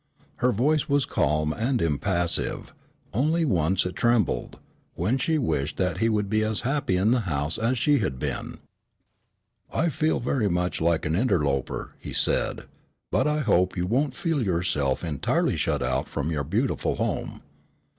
Her voice was calm and impassive, only once it trembled, when she wished that he would be as happy in the house as she had been. "I feel very much like an interloper," he said, "but I hope you won't feel yourself entirely shut out from your beautiful home.